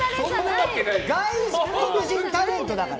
外国人タレントだから。